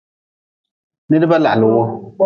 Nidba lahli wu.